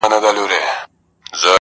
خزان یې مه کړې الهي تازه ګلونه؛